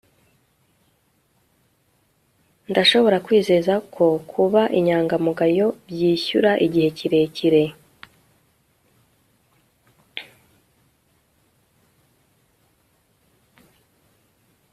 Ndashobora kwizeza ko kuba inyangamugayo byishyura igihe kirekire